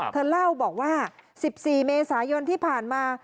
เธอเล่าบอกว่า๑๔เมษายนที่ผ่านมา